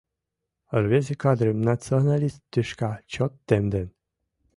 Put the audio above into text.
Рвезе кадрым националист тӱшка чот темден.